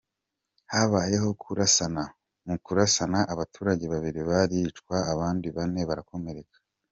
Habayeho kurasana, mu kurasana abaturage babiri baricwa abandi bane barakomereka.